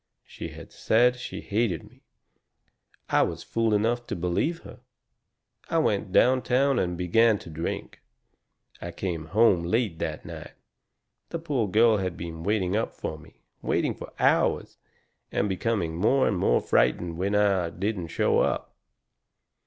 She had said she hated me. I was fool enough to believe her. I went downtown and began to drink. I come home late that night. The poor girl had been waiting up for me waiting for hours, and becoming more and more frightened when I didn't show up.